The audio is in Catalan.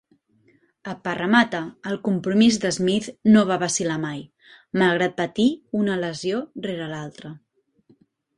A Parramatta, el compromís de Smith no va vacil·lar mai, malgrat patir una lesió rere l'altra.